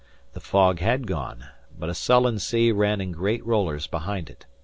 The fog had gone, but a sullen sea ran in great rollers behind it.